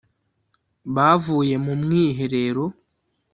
Bavuye mu mwiherero